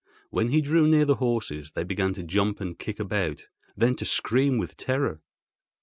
When he drew near the horses, they began to jump and kick about, then to scream with terror.